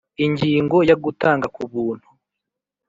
Ingingo ya Gutanga ku buntu